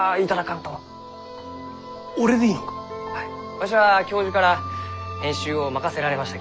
わしは教授から編集を任せられました